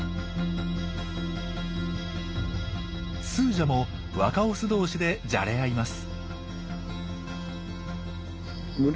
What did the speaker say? スージャも若オス同士でじゃれ合います。